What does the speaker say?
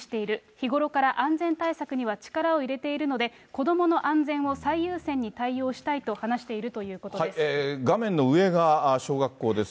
日頃から安全対策には力を入れているので、子どもの安全を最優先に対応したいと話しているという画面の上が小学校です。